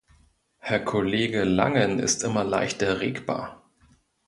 Herr Kollege Langen ist immer leicht erregbar.